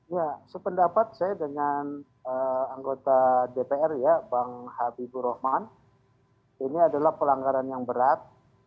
ya sependapat saya dengan anggota dpr ya bang habibur rahman ini adalah pelanggaran yang berat